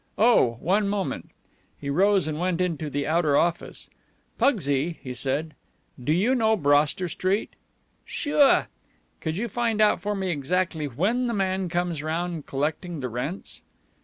Oh, one moment." He rose and went into the outer office. "Pugsy," he said, "do you know Broster Street?" "Sure." "Could you find out for me exactly when the man comes round collecting the rents?"